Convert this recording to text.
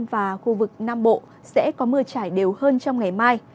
tây nguyên và khu vực nam bộ sẽ có mưa chảy đều hơn trong ngày mai